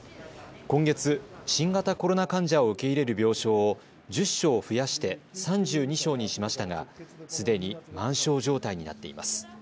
今月、新型コロナ患者を受け入れる病床を１０床増やして３２床にしましたが、すでに満床状態になっています。